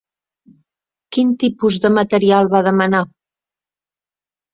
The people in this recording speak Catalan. Quin tipus de material va demanar?